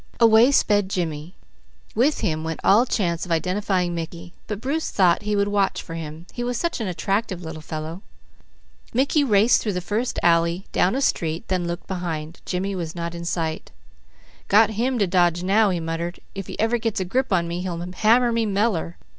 Away sped Jimmy; with him went all chance of identifying Mickey, but Bruce thought he would watch for him. He was such an attractive little fellow. Mickey raced through the first alley, down a street, then looked behind. Jimmy was not in sight. "Got him to dodge now," he muttered. "If he ever gets a grip on me he'll hammer me meller!